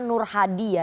nur hadi ya